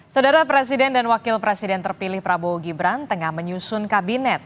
saudara presiden dan wakil presiden terpilih prabowo gibran tengah menyusun kabinet